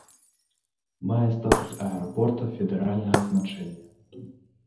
Мае статус аэрапорта федэральнага значэння.